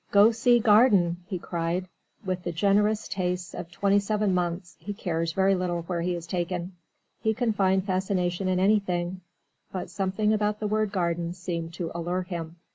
"Go see garden!" he cried. With the generous tastes of twenty seven months he cares very little where he is taken; he can find fascination in anything; but something about the word "garden" seemed to allure him.